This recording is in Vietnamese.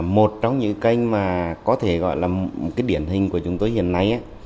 một trong những kênh mà có thể gọi là cái điển hình của chúng tôi hiện nay